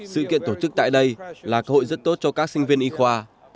sự kiện tổ chức tại đây là cơ hội rất tốt cho các sinh viên y khoa